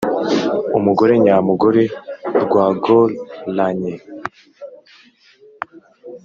umugore nyamugore rwagor<::ranye